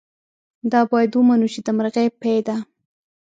دا باید ومنو چې د مرغۍ پۍ ده.